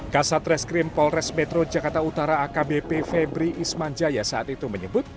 kasat reskrim polres metro jakarta utara akbp febri ismanjaya saat itu menyebut